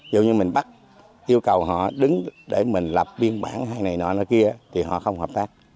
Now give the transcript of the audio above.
dù như mình bắt yêu cầu họ đứng để mình lập biên bản hay này nọ nó kia thì họ không hợp tác